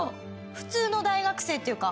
普通の大学生というか。